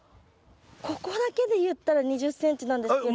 ここだけで言ったら２０ｃｍなんですけど。